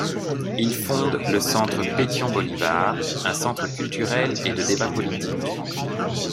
Il fonde le Centre Pétion Bolivar, un centre culturel et de débats politiques.